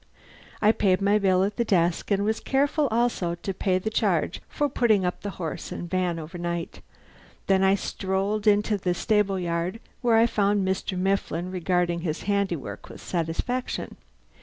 I paid my bill at the desk, and was careful also to pay the charge for putting up the horse and van overnight. Then I strolled into the stable yard, where I found Mr. Mifflin regarding his handiwork with satisfaction.